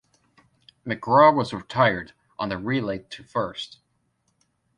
McGraw was retired on the relay to first.